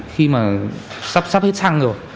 khi mà sắp hết xăng rồi